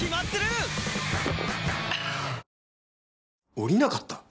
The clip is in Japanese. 下りなかった？